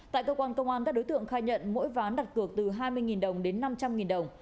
tại cơ quan công an các đối tượng khai nhận mỗi ván đặt cược từ hai mươi đồng đến năm trăm linh đồng